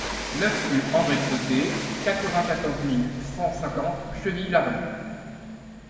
neuf rue Henri Cretté, quatre-vingt-quatorze mille cinq cent cinquante Chevilly-Larue